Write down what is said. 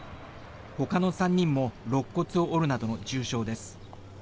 ほかの３人もろっ骨を折るなどの重傷です。